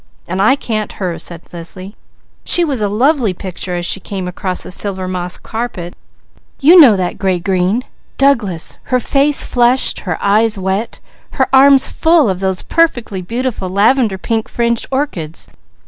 "And I can't her," said Leslie. "She was a lovely picture as she came across the silver moss carpet, you know that gray green, Douglas, her face flushed, her eyes wet, her arms full of those perfectly beautiful, lavender pink fringed orchids.